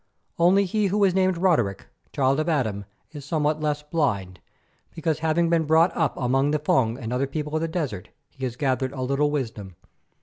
Only he who is named Roderick, child of Adam, is somewhat less blind, because having been brought up among the Fung and other people of the desert, he has gathered a little wisdom.